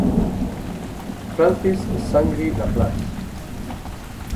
Francis Shangri-La Place.